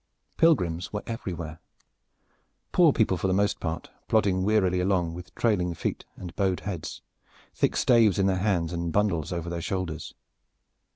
Pilgrims were everywhere, poor people for the most part, plodding wearily along with trailing feet and bowed heads, thick staves in their hands and bundles over their shoulders.